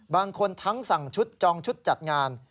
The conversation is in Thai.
บางคนทั้งสั่งชุดจองชุดจัดงาน